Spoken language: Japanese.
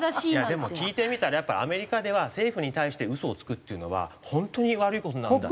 でも聞いてみたらやっぱアメリカでは政府に対して嘘をつくっていうのは本当に悪い事なんだ。